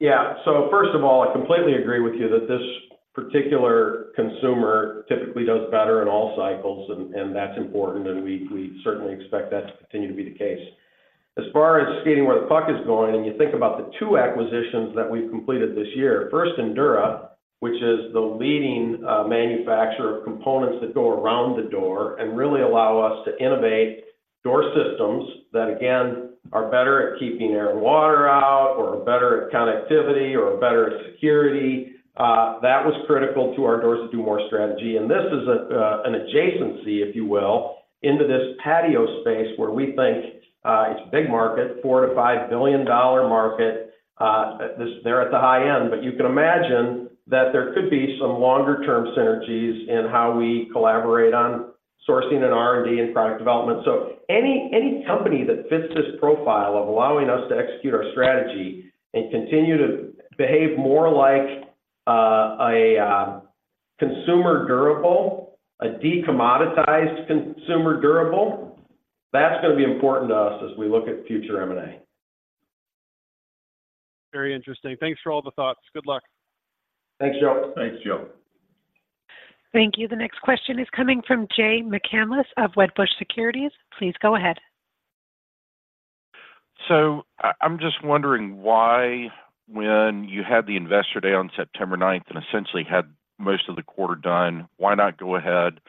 Yeah. So first of all, I completely agree with you that this particular consumer typically does better in all cycles, and that's important, and we certainly expect that to continue to be the case. As far as skating where the puck is going, and you think about the two acquisitions that we've completed this year. First, Endura, which is the leading manufacturer of components that go around the door and really allow us to innovate door systems that, again, are better at keeping air and water out or better at connectivity or better at security. That was critical to our doors to do more strategy. And this is an adjacency, if you will, into this patio space where we think it's a big market, $4 billion-$5 billion market. They're at the high end, but you can imagine that there could be some longer term synergies in how we collaborate on sourcing and R&D and product development. So any company that fits this profile of allowing us to execute our strategy and continue to behave more like a consumer durable, a decommoditized consumer durable, that's gonna be important to us as we look at future M&A. Very interesting. Thanks for all the thoughts. Good luck. Thanks, Joe. Thanks, Joe. Thank you. The next question is coming from Jay McCanless of Wedbush Securities. Please go ahead. So, I'm just wondering why, when you had the Investor Day on September ninth and essentially had most of the quarter done, why not go ahead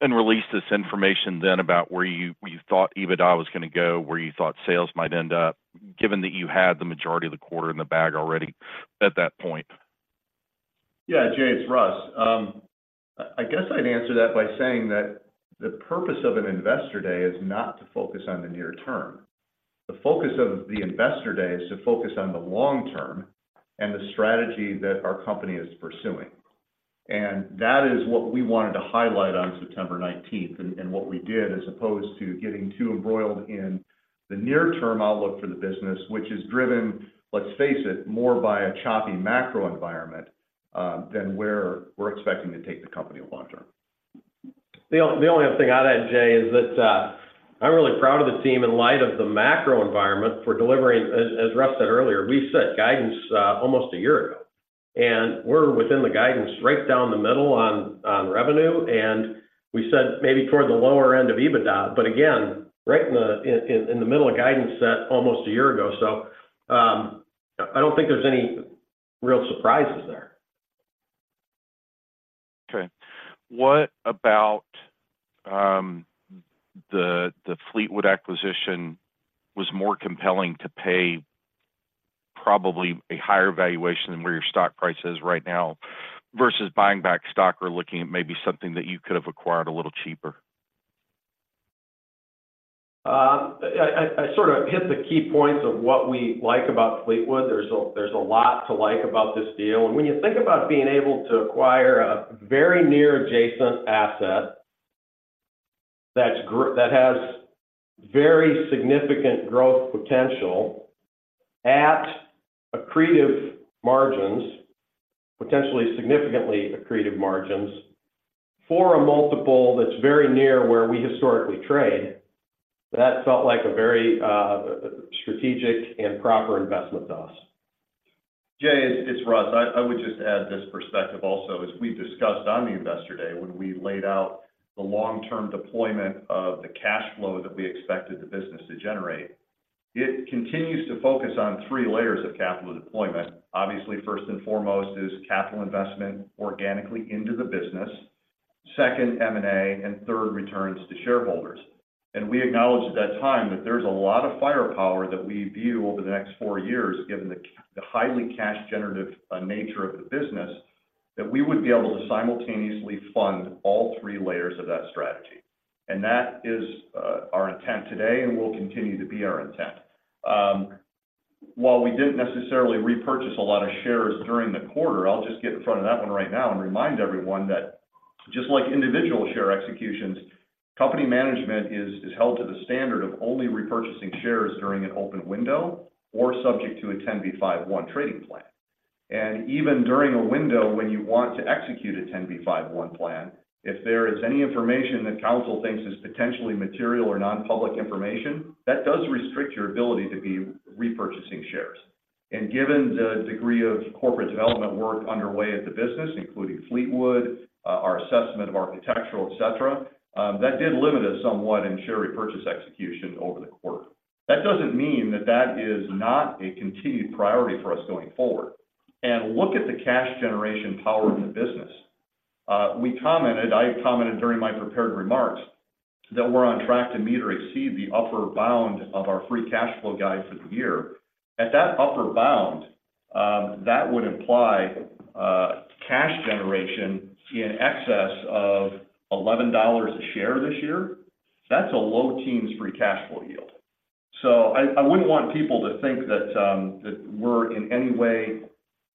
and release this information then about where you thought EBITDA was gonna go, where you thought sales might end up?... given that you had the majority of the quarter in the bag already at that point? Yeah, Jay, it's Russ. I guess I'd answer that by saying that the purpose of an Investor Day is not to focus on the near term. The focus of the Investor Day is to focus on the long term and the strategy that our company is pursuing. And that is what we wanted to highlight on September nineteenth, and what we did, as opposed to getting too embroiled in the near-term outlook for the business, which is driven, let's face it, more by a choppy macro environment, than where we're expecting to take the company long term. The only other thing I'd add, Jay, is that, I'm really proud of the team in light of the macro environment for delivering... As Russ said earlier, we set guidance almost a year ago, and we're within the guidance right down the middle on revenue, and we said maybe toward the lower end of EBITDA. But again, right in the middle of guidance set almost a year ago, so I don't think there's any real surprises there. Okay. What about, the Fleetwood acquisition was more compelling to pay probably a higher valuation than where your stock price is right now, versus buying back stock or looking at maybe something that you could have acquired a little cheaper? I sort of hit the key points of what we like about Fleetwood. There's a lot to like about this deal. When you think about being able to acquire a very near adjacent asset, that has very significant growth potential at accretive margins, potentially significantly accretive margins, for a multiple that's very near where we historically trade, that felt like a very strategic and proper investment to us. Jay, it's Russ. I would just add this perspective also. As we've discussed on the Investor Day, when we laid out the long-term deployment of the cash flow that we expected the business to generate, it continues to focus on three layers of capital deployment. Obviously, first and foremost is capital investment organically into the business. Second, M&A, and third, returns to shareholders. And we acknowledged at that time that there's a lot of firepower that we view over the next four years, given the highly cash generative nature of the business, that we would be able to simultaneously fund all three layers of that strategy. And that is our intent today, and will continue to be our intent. While we didn't necessarily repurchase a lot of shares during the quarter, I'll just get in front of that one right now and remind everyone that just like individual share executions, company management is held to the standard of only repurchasing shares during an open window or subject to a 10b5-1 trading plan. Even during a window when you want to execute a 10b5-1 plan, if there is any information that counsel thinks is potentially material or non-public information, that does restrict your ability to be repurchasing shares. Given the degree of corporate development work underway at the business, including Fleetwood, our assessment of Architectural, etc., that did limit us somewhat in share repurchase execution over the quarter. That doesn't mean that that is not a continued priority for us going forward. Look at the cash generation power in the business. We commented. I commented during my prepared remarks that we're on track to meet or exceed the upper bound of our Free Cash Flow guide for the year. At that upper bound, that would imply cash generation in excess of $11 a share this year. That's a low teens Free Cash Flow yield. So I, I wouldn't want people to think that that we're in any way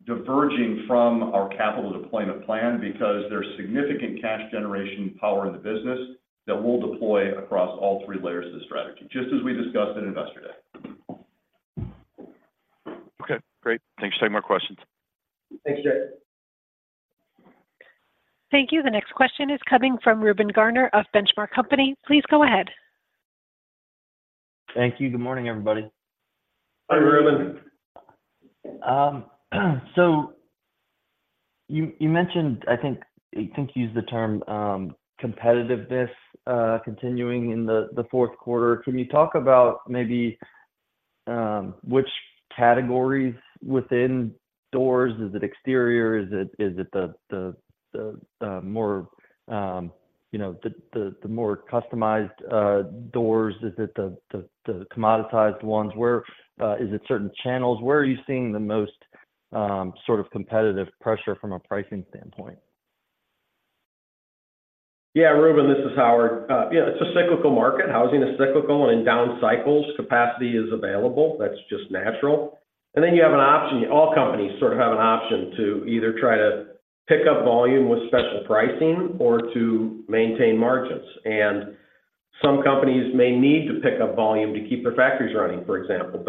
diverging from our capital deployment plan, because there's significant cash generation power in the business that we'll deploy across all three layers of the strategy, just as we discussed at Investor Day. Okay, great. Thanks. For my questions. Thanks, Jay. Thank you. The next question is coming from Reuben Garner of Benchmark Company. Please go ahead. Thank you. Good morning, everybody. Hi, Reuben. So you mentioned, I think you used the term competitiveness continuing in the Q4. Can you talk about maybe which categories within doors? Is it exterior? Is it the more, you know, the more customized doors? Is it the commoditized ones? Where Is it certain channels? Where are you seeing the most sort of competitive pressure from a pricing standpoint? Yeah, Reuben, this is Howard. Yeah, it's a cyclical market. Housing is cyclical, and in down cycles, capacity is available. That's just natural. And then you have an option. All companies sort of have an option to either try to pick up volume with special pricing or to maintain margins. And some companies may need to pick up volume to keep their factories running, for example.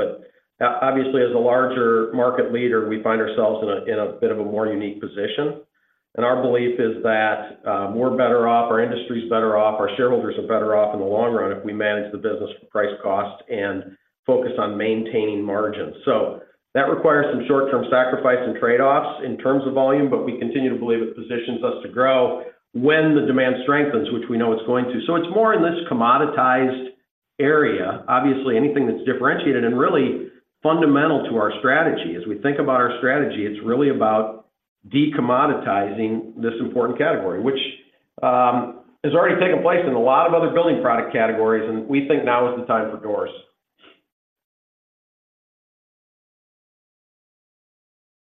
But obviously, as a larger market leader, we find ourselves in a bit of a more unique position. And our belief is that we're better off, our industry is better off, our shareholders are better off in the long run if we manage the business for price cost and focus on maintaining margins. So that requires some short-term sacrifice and trade-offs in terms of volume, but we continue to believe it positions us to grow when the demand strengthens, which we know it's going to. So it's more in this commoditized area. Obviously, anything that's differentiated and really fundamental to our strategy. As we think about our strategy, it's really about- De-commoditizing this important category, which has already taken place in a lot of other building product categories, and we think now is the time for doors.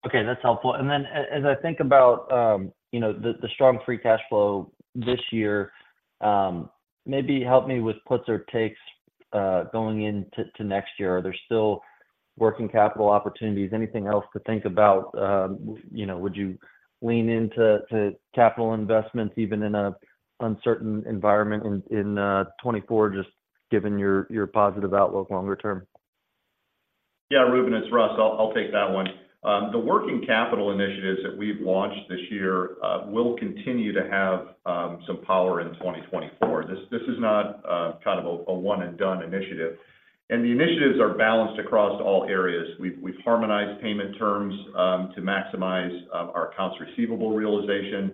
Okay, that's helpful. And then as I think about, you know, the strong Free Cash Flow this year, maybe help me with puts or takes, going into next year. Are there still working capital opportunities? Anything else to think about? You know, would you lean into capital investments, even in an uncertain environment in 2024, just given your positive outlook longer term? Yeah, Reuben, it's Russ. I'll take that one. The working capital initiatives that we've launched this year will continue to have some power in 2024. This is not kind of a one-and-done initiative, and the initiatives are balanced across all areas. We've harmonized payment terms to maximize our accounts receivable realization.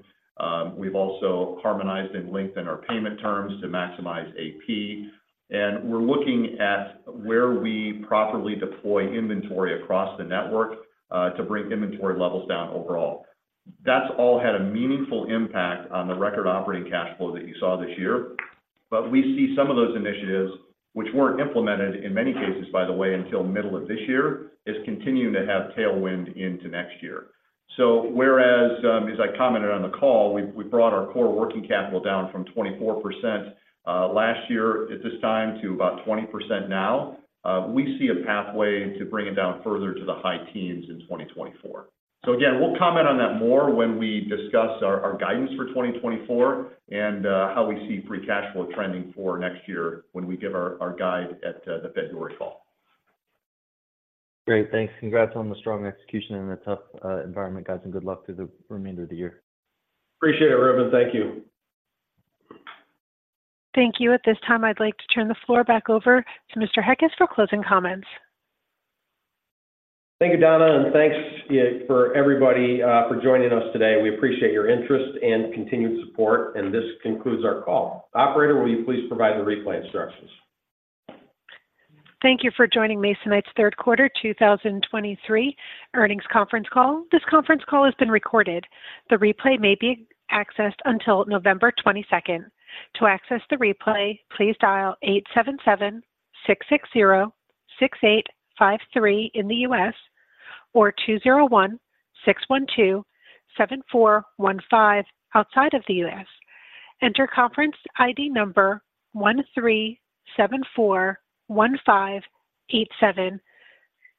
We've also harmonized and lengthened our payment terms to maximize AP. And we're looking at where we properly deploy inventory across the network to bring inventory levels down overall. That's all had a meaningful impact on the record operating cash flow that you saw this year. But we see some of those initiatives, which weren't implemented, in many cases, by the way, until middle of this year, is continuing to have tailwind into next year. So whereas, as I commented on the call, we've brought our core working capital down from 24%, last year at this time, to about 20% now. We see a pathway to bring it down further to the high teens in 2024. So again, we'll comment on that more when we discuss our, our guidance for 2024, and, how we see free cash flow trending for next year when we give our, our guide at, the February call. Great, thanks. Congrats on the strong execution in a tough environment, guys, and good luck to the remainder of the year. Appreciate it, Reuben. Thank you. Thank you. At this time, I'd like to turn the floor back over to Mr. Heckes for closing comments. Thank you, Donna, and thanks, for everybody, for joining us today. We appreciate your interest and continued support, and this concludes our call. Operator, will you please provide the replay instructions? Thank you for joining Masonite's Q3 2023 earnings conference call. This conference call has been recorded. The replay may be accessed until November 22nd. To access the replay, please dial 877-660-6853 in the U.S., or 201-612-7415 outside of the U.S. Enter conference ID number 13741587.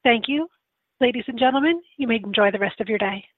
Thank you, ladies and gentlemen. You may enjoy the rest of your day.